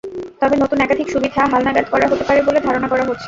তবে নতুন একাধিক সুবিধা হালনাগাদ করা হতে পারে বলে ধারণা করা হচ্ছে।